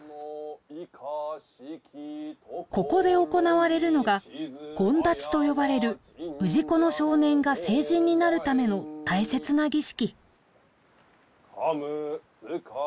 ここで行われるのが権立と呼ばれる氏子の少年が成人になるための大切な儀式。